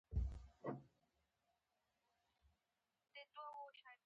سپي ته درملنه پکار ده.